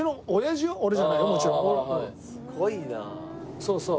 そうそう。